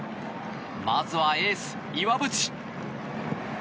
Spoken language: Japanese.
まずはエース、岩渕。